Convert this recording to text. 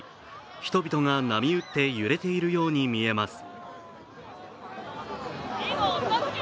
人々が波打って揺れているように見えます。